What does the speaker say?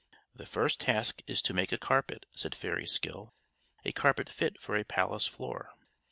"The first task is to make a carpet," said Fairy Skill, "a carpet fit for a palace floor."